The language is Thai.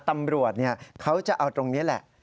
ตำรวจเขาจะเอาตรงนี้แหละ